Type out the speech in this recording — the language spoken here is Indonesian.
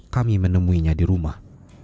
kami menemuinya di rumah